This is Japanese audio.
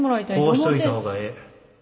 こうしといた方がええ。